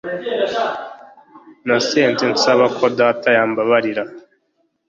Nasenze nsaba ko data yambabarira